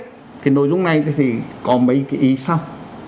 cái nội dung này thì có mấy cái ý sau